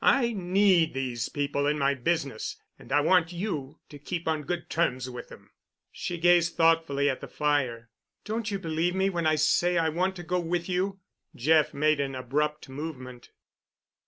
I need these people in my business, and I want you to keep on good terms with them." She gazed thoughtfully at the fire. "Don't you believe me when I say I want to go with you?" Jeff made an abrupt movement.